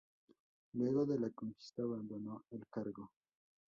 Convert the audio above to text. Luego de la conquista abandonó el cargo.